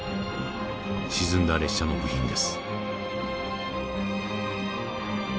沈んだ列車の部品です。